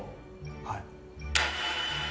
はい。